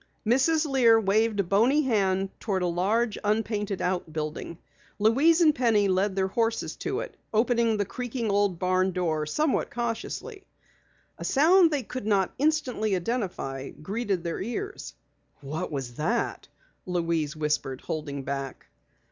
Mrs. Lear waved a bony hand toward a large, unpainted outbuilding. Louise and Penny led their horses to it, opening the creaking old barn door somewhat cautiously. A sound they could not instantly identify greeted their ears. "What was that?" Louise whispered, holding back.